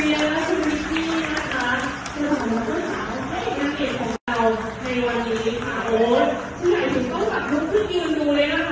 บทเงินที่ทำให้มิกกี้รับชีวิต